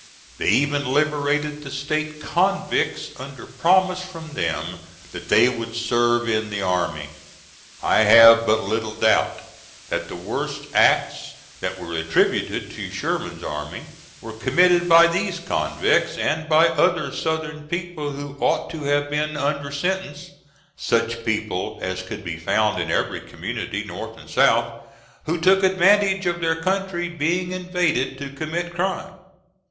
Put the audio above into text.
They even liberated the State convicts under promise from them that they would serve in the army. I have but little doubt that the worst acts that were attributed to Sherman's army were committed by these convicts, and by other Southern people who ought to have been under sentence such people as could be found in every community, North and South who took advantage of their country being invaded to commit crime.